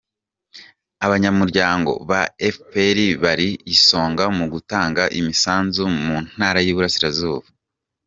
Abanyamuryango Ba Efuperi bari ku isonga mugutanga imisanzu mu Ntara y’Iburasirazuba